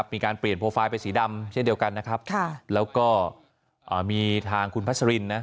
มีการเปลี่ยนโปรไฟล์ไปสีดำเช่นเดียวกันนะครับแล้วก็มีทางคุณพัชรินนะ